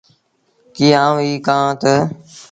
ڪيٚ آئوٚنٚ ايٚ ڪهآنٚ تا